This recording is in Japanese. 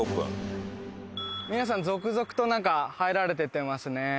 皆さん続々と中入られていってますね。